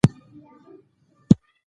دوبی تنور دی